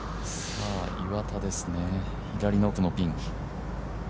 岩田ですね、左の奥のピン。